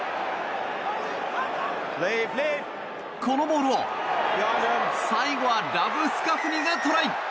このボールを最後はラブスカフニがトライ。